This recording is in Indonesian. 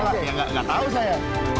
gak tau saya